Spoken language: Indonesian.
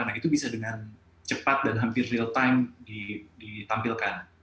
nah itu bisa dengan cepat dan hampir real time ditampilkan